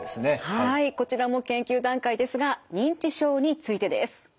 はいこちらも研究段階ですが認知症についてです。